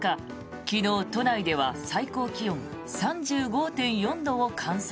昨日、都内では最高気温３５．４度を観測。